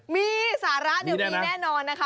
มีสาระมีแน่นอนนะคะ